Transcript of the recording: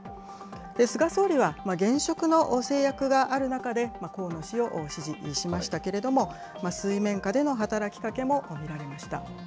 菅総理は現職の制約がある中で、河野氏を支持しましたけれども、水面下での働きかけも見られました。